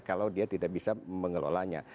kalau dia tidak bisa mengelolanya